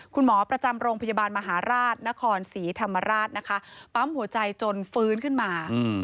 คุณหมอประจำโรงพยาบาลมหาราชนครศรีธรรมราชนะคะปั๊มหัวใจจนฟื้นขึ้นมา